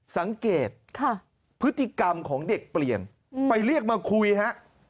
สังเกตพฤติกรรมของเด็กเปลี่ยนไปเรียกมาคุยฮะ